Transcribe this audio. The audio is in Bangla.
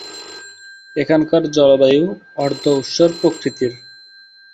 এখানকার জলবায়ু অর্ধ-ঊষর প্রকৃতির।